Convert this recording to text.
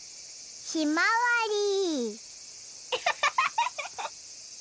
ひまわり。